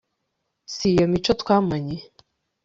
siyo mico twamanye